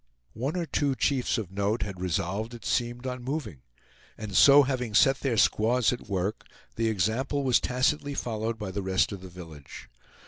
One or two chiefs of note had resolved, it seemed, on moving; and so having set their squaws at work, the example was tacitly followed by the rest of the village.